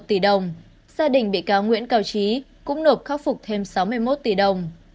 tổng tiền khắc phục thêm sáu mươi một tỷ đồng